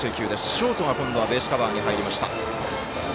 ショートが今度はベースカバーに入りました。